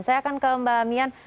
saya akan ke mbak mian